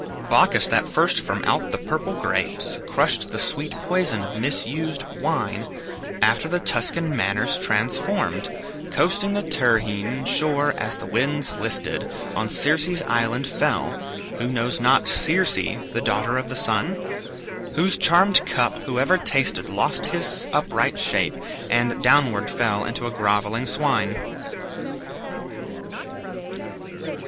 "Bacchus that first from out the purple grapes Crushed the sweet poison of misused wine, After the Tuscan manners transformed, Coasting the Tyrrhene shore as the winds listed On Circe's island fell (who knows not Circe, The daughter of the Sun? whose charmed cup Whoever tasted lost his upright shape, And downward fell into a grovelling swine)."